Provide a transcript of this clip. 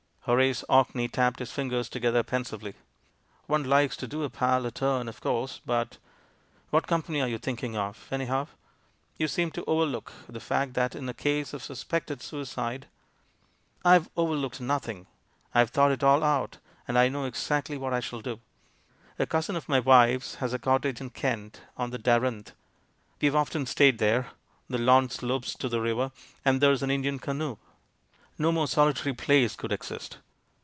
Horace Orkney tapped his fingers together pensively. "One likes to do a pal a turn, of course, but What company are you thinking of, any how? You seem to overlook the fact that in a case of suspected suicide " "I've overlooked nothing — I've thought it aU out, and I know exactly what I shall do. A cousin of my wife's has a cottage in Kent, on the Darenth. We've often stayed there. The lawn slopes to the river, and there's an Indian canoe. No more sohtary place could exist.